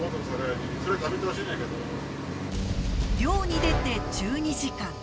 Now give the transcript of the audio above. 漁に出て１２時間。